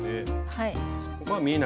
はい。